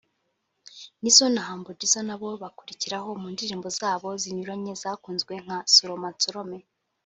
Nizzo na Humble Jizzo nabo bakurikiraho mu ndirimbo zabo zinyuranye zakunzwe nka Soroma Nsorome